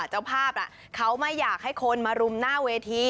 เจ้าภาพเขาไม่อยากให้คนมารุมหน้าเวที